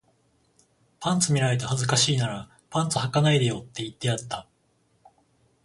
パンツ見られて恥ずかしいならパンツ履かないでよって言ってやった